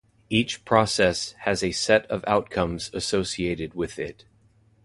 Each Process has a set of outcomes associated with it.